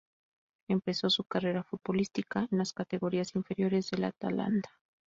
Empezó su carrera futbolística en las categorías inferiores del Atalanta.